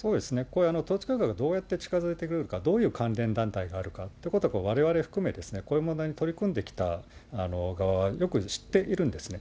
これ、統一教会がどうやって近づいてくるか、どういう関連団体があるかということを、われわれ含めて、こういう問題に取り組んできた側は、よく知っているんですね。